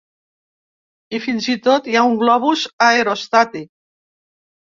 I, fins i tot, hi ha un globus aerostàtic.